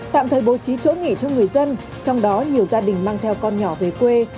tạm thời bố trí chỗ nghỉ cho người dân trong đó nhiều gia đình mang theo con nhỏ về quê